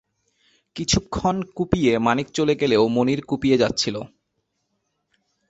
কিছুক্ষণ কুপিয়ে মানিক চলে গেলেও মনির কুপিয়ে যাচ্ছিল।